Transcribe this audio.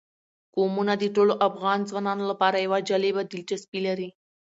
قومونه د ټولو افغان ځوانانو لپاره یوه جالبه دلچسپي لري.